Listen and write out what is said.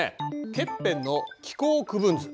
ケッペンの気候区分図。